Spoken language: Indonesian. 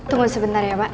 tunggu sebentar ya pak